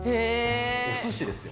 おすしですよ。